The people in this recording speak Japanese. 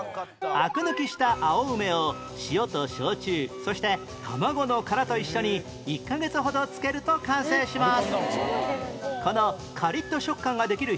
アク抜きした青梅を塩と焼酎そして卵の殻と一緒に１カ月ほど漬けると完成します